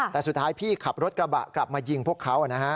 แต่สุดท้ายพี่ขับรถกระบะกลับมายิงพวกเขานะฮะ